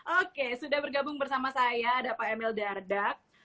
oke sudah bergabung bersama saya ada pak emil dardak